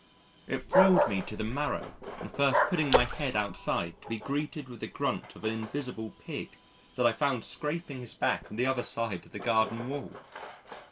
It thrilled me to the marrow on first putting my head outside to be greeted with the grunt of an invisible pig that I found scraping his back on the other side of the garden wall.